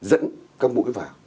dẫn các mũi vào